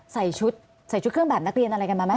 ใส่ชุดใส่ชุดเครื่องแบบนักเรียนอะไรกันมาไหม